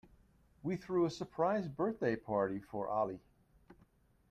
We threw a surprise birthday party for Ali.